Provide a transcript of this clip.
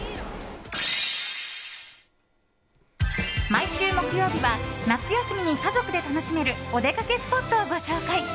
毎週木曜日は夏休みに家族で楽しめるお出かけスポットをご紹介。